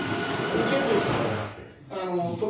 公権力とかじゃなくて。